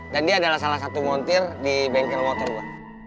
dan dia adalah salah satu montir di bengkel motor gue